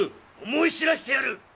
思い知らせてやる！